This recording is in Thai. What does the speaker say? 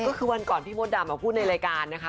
ก็คือวันก่อนพี่มดดำพูดในรายการนะคะ